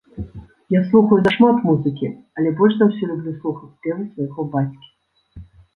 Я слухаю зашмат музыкі, але больш за ўсё люблю слухаць спевы свайго бацькі.